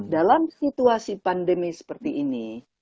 dalam situasi pandemi seperti ini